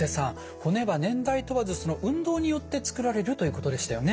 骨は年代問わず運動によってつくられるということでしたよね？